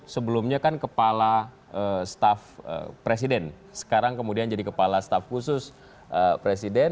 sebelumnya kan kepala staf presiden sekarang kemudian jadi kepala staf khusus presiden